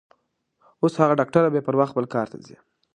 اوس هغه ډاکټره بې پروا خپل کار ته ځي.